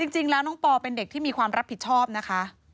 จริงแล้วน้องปอเป็นเด็กที่มีความรับผิดชอบนะคะ